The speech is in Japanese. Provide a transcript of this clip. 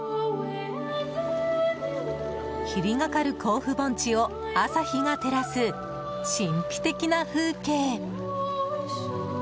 霧がかる甲府盆地を朝日が照らす神秘的な風景。